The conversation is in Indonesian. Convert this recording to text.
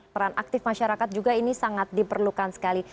peran aktif masyarakat juga ini sangat diperlukan sekali